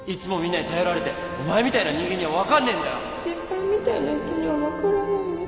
先輩みたいな人には分からないんです。